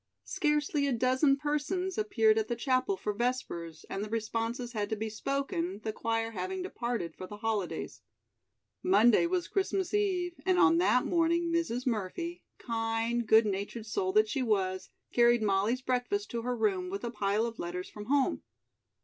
Scarcely a dozen persons appeared at the Chapel for Vespers and the responses had to be spoken, the choir having departed for the holidays. Monday was Christmas Eve, and on that morning Mrs. Murphy, kind, good natured soul that she was, carried Molly's breakfast to her room with a pile of letters from home.